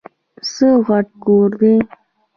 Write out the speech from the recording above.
څه غټ کور دی ؟!